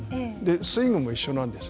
スイングも一緒なんです。